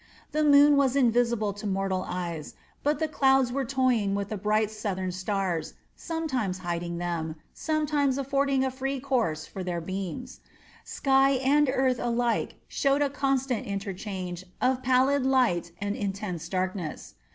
The moon was invisible to mortal eyes, but the clouds were toying with the bright Southern stars, sometimes hiding them, sometimes affording a free course for their beams. Sky and earth alike showed a constant interchange of pallid light and intense darkness.